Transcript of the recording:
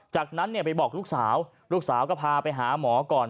จากนั้นไปบอกลูกสาวลูกสาวก็พาไปหาหมอก่อน